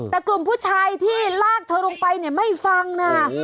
แต่กลุ่มผู้ชายที่ลากเธอลงไปเนี่ยไม่ฟังนะ